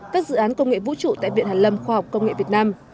các dự án công nghệ vũ trụ tại viện hàn lâm khoa học công nghệ việt nam